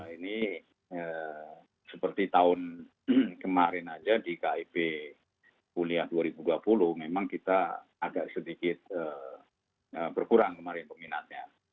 ini seperti tahun kemarin aja di kib kuliah dua ribu dua puluh memang kita agak sedikit berkurang kemarin peminatnya